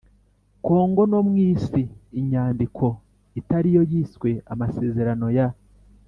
Kongo no mu isi Inyandiko itari yo yiswe Amaserano ya